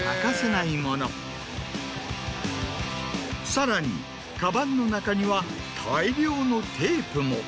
さらにカバンの中には大量のテープも。